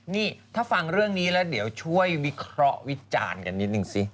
นี่ถ้าฟังเรื่องนี้แล้วเดี๋ยวช่วยวิเคราะห์วิจารณ์กันนิดนึงสิ